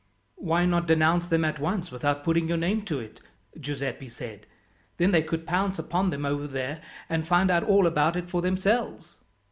"Why not denounce them at once without putting your name to it," Giuseppi said. "Then they could pounce upon them over there, and find out all about it for themselves?"